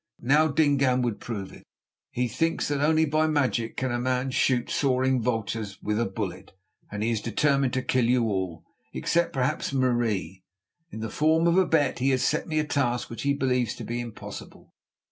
Now Dingaan would prove it. He thinks that only by magic can a man shoot soaring vultures with a bullet, and as he is determined to kill you all, except perhaps Marie, in the form of a bet he has set me a task which he believes to be impossible.